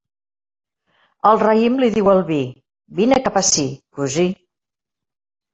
El raïm li diu al vi: “vine cap ací, cosí”.